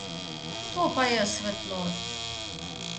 To pa je svetlo!